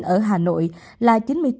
ở hà nội là chín mươi bốn ba